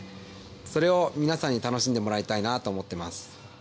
それを皆さんに楽しんでもらいたいなと思ってます。